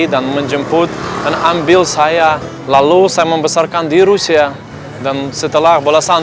dan menjemput dan ambil saya lalu saya membesarkan di rusia dan setelah bolasan